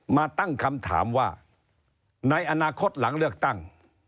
มาตั้งคำถามว่าในอนาคตหลังเลือกตั้ง